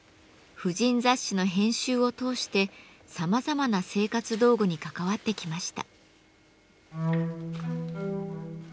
婦人雑誌の編集を通してさまざまな生活道具に関わってきました。